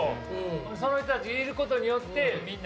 その人たちいることによってみんな。